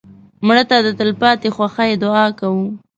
مړه ته د تلپاتې خوښۍ دعا کوو